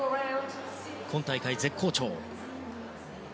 今大会、絶好調。